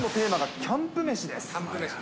キャンプ飯ね。